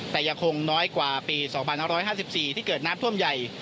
แต่ยังคงน้อยกว่าปี๒๕๕๔ที่เกิดน้ำท่วมใหญ่